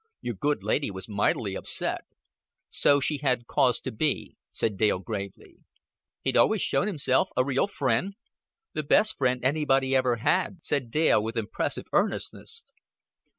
Your good lady was mightily upset." "So she had cause to be," said Dale gravely. "He'd always shown himself a real friend?" "The best friend anybody ever had," said Dale with impressive earnestness.